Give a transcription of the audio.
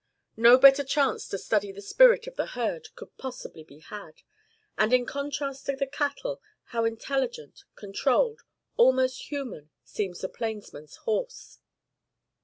No better chance to study the spirit of the herd could possibly be had. And in contrast to the cattle, how intelligent, controlled, almost human, seems the plainsman's horse!